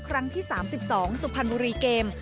ครั้งที่๓๒สุพรรณบุรีเกม